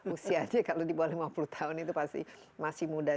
usianya kalau di bawah lima puluh tahun itu pasti masih muda